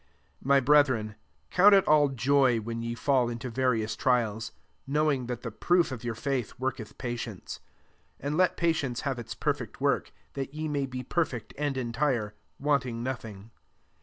2 My brethren, count it all pv when ye fall into various bals ; 3 knowing that the proof a your faith worketh patience. f And let patience have its per ect work : that ye may be per iect and entire, wanting no Jiing.